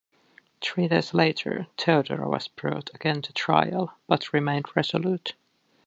Three days later, Theodora was brought again to trial, but remained resolute.